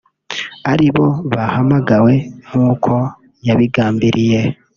ari bo bahamagawe nk’uko yabigambiriye